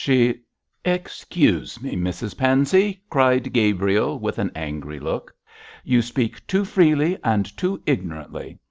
She ' 'Excuse me, Mrs Pansey!' cried Gabriel, with an angry look, 'you speak too freely and too ignorantly.